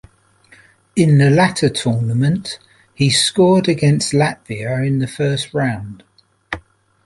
In the latter tournament, he scored against Latvia in the first round.